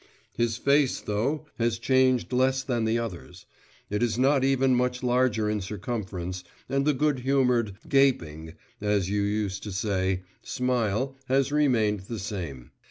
His face, though, has changed less than the others'; it is not even much larger in circumference, and the good humoured, 'gaping' as you used to say smile has remained the same.